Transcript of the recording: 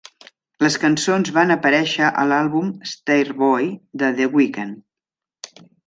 Les cançons van aparèixer a l'àlbum "Starboy" de The Weekend.